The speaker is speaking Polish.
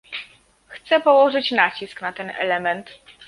Chcę położyć nacisk na ten element